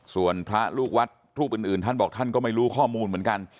ส่วนพระลูกวัดรูปอื่นท่านบอกท่านก็ไม่รู้ข้อมูลเหมือนกัน